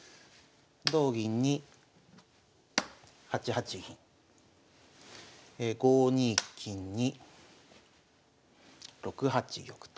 同銀に８八銀５二金に６八玉と。